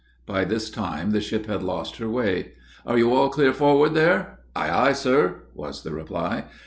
By this time, the ship had lost her way. "Are you all clear forward there?" "Ay, ay, sir!" was the reply.